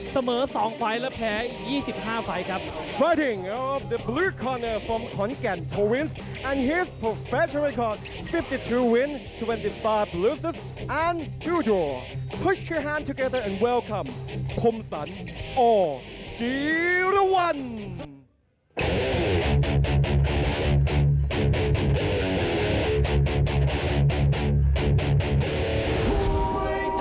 เสมอ๒ไฟล์และแพ้๒๕ไฟล์ครับ